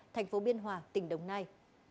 thành phố biên hòa tỉnh đồng nai